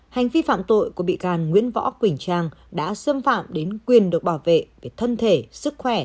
hành vi phạm tội của bị can nguyễn võ quỳnh trang đã xâm phạm đến quyền được bảo vệ về thân thể sức khỏe